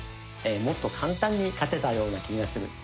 もっと簡単に勝てたような気がする。